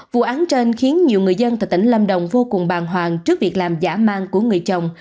vụ án trên khiến nhiều người dân tại tỉnh lâm đồng vô cùng bàng hoàng trước việc làm giả mang của người chồng